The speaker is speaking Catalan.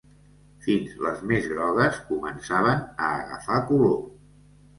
Fins les més grogues començaven a agafar color